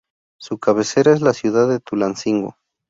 Su cabecera es la ciudad de Tulancingo.